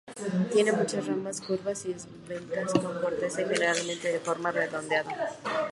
Tiene muchas ramas curvas y esbeltas con corteza y generalmente de forma redondeada.